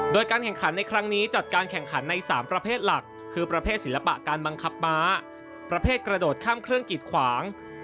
โดยการแข่งขันในครั้งนี้จัดการแข่งขันใน๓ประเภทหลักคือประเภทศิลปะการบังคับม้าประเภทกระโดดข้ามเครื่องกิดขวาง